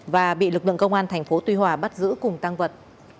và bị lực lượng công an tp tuy hòa bắt giữ cùng tăng vật